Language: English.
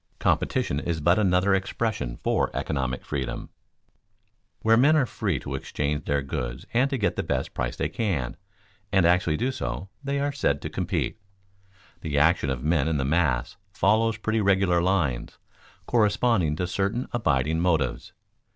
_ Competition is but another expression for economic freedom. Where men are free to exchange their goods and to get the best price they can, and actually do so, they are said to compete. The action of men in the mass follows pretty regular lines, corresponding to certain abiding motives.